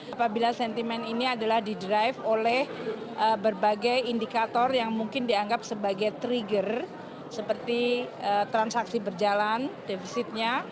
apabila sentimen ini adalah di drive oleh berbagai indikator yang mungkin dianggap sebagai trigger seperti transaksi berjalan defisitnya